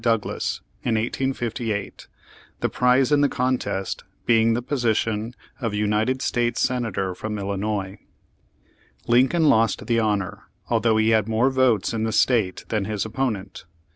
Douglas in 1858, the prize in the contest being the position of United States Senator from Illinois. Lincoln lost the honor, although he had more votes in the state than his opponent.